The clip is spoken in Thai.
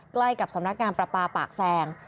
ใกล้กับสำนักงานประปาปากแซง